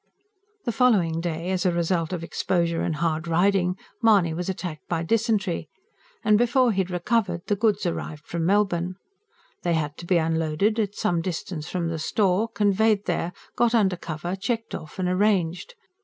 The following day, as a result of exposure and hard riding, Mahony was attacked by dysentery; and before he had recovered, the goods arrived from Melbourne. They had to be unloaded, at some distance from the store, conveyed there, got under cover, checked off and arranged.